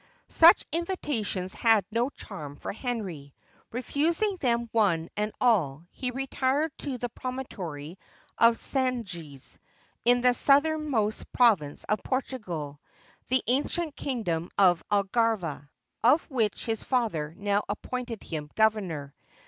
] Such invitations had no charm for Henry. Refusing them one and all, he retired to the promontory of Sa gres, in the southernmost province of Portugal, the ancient kingdom of Algarva, of which his father now appointed him governor.